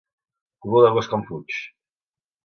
Color de gos com fuig.